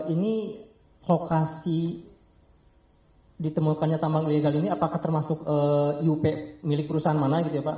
ini lokasi ditemukannya tambang ilegal ini apakah termasuk iup milik perusahaan mana gitu ya pak